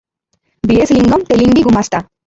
ବିରେଶ ଲିଙ୍ଗମ୍ ତେଲିଙ୍ଗୀ ଗୁମାସ୍ତା ।